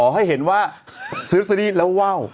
อ๋อให้เห็นว่าซื้อตัวนี้แล้วว้าว